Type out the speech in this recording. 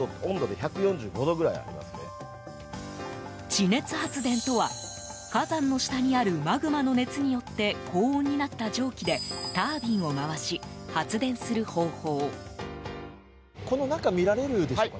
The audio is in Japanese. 地熱発電とは、火山の下にあるマグマの熱によって高温になった蒸気でタービンを回し、発電する方法。